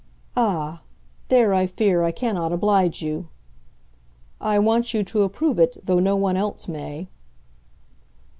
"Ah! there, I fear, I cannot oblige you." "I want you to approve it, though no one else may."